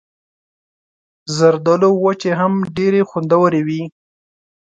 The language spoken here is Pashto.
زردالو وچې هم ډېرې خوندورې وي.